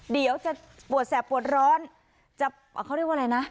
เดี๋ยวจะปวดแสบปวดร้อนจะเขาเรียกว่าอะไรนะ